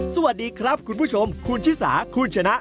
สวัสดีครับคุณผู้ชมคุณชิสาคุณชนะ